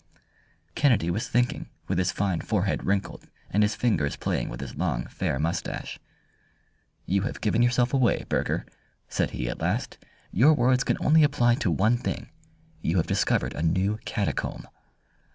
Kennedy was thinking with his fine forehead wrinkled and his fingers playing with his long, fair moustache. "You have given yourself away, Burger!" said he at last. "Your words can only apply to one thing. You have discovered a new catacomb."